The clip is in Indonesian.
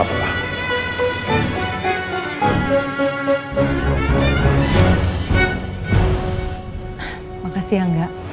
terima kasih angga